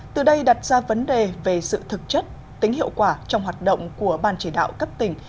từ đây đặt ra vấn đề về sự thực chất tính hiệu quả trong hoạt động của ban chỉ đạo cấp tỉnh